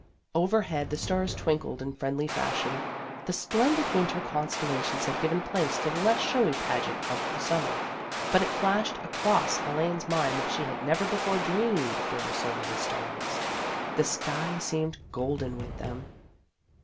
Overhead the stars twinkled in friendly fashion. The splen did winter constellations had given place to the less showy pageant of the summer, but it flashed across Elaine's mind that she had never before dreamed there were so many stars. The sky seemed golden with them.